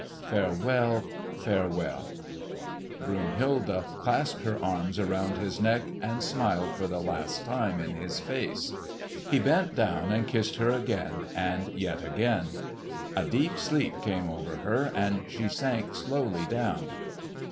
Farewell! farewell!" Brunhilde clasped her arms about his neck and smiled for the last time in his face. He bent down and kissed her again, and yet again. A deep sleep came over her and she sank slowly down.